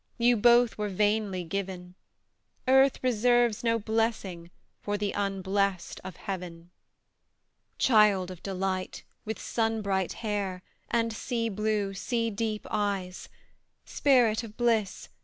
You both were vainly given; Earth reserves no blessing For the unblest of heaven! Child of delight, with sun bright hair, And sea blue, sea deep eyes! Spirit of bliss!